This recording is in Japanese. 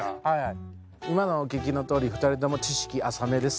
今のお聞きのとおり２人とも知識浅めです。